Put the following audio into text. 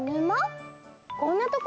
こんなところで？